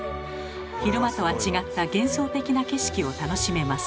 昼間とは違った幻想的な景色を楽しめます。